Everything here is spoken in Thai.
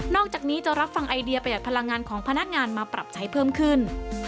อกจากนี้จะรับฟังไอเดียประหัดพลังงานของพนักงานมาปรับใช้เพิ่มขึ้น